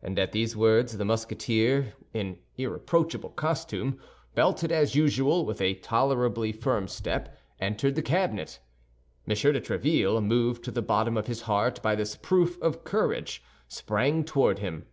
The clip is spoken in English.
And at these words, the Musketeer, in irreproachable costume, belted as usual, with a tolerably firm step, entered the cabinet. M. de Tréville, moved to the bottom of his heart by this proof of courage, sprang toward him.